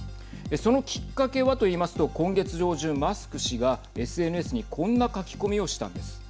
そのきっかけはと言いますと今月上旬マスク氏がＳＮＳにこんな書き込みをしたんです。